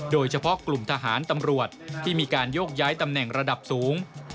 โดยเฉพาะกลุ่มทหารตำรวจที่มีการโยกย้ายตำแหน่งระดับสูง